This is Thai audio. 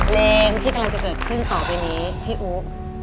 เลงที่กำลังจะเกิดเครื่องสอบอย่างนี้พี่อู๋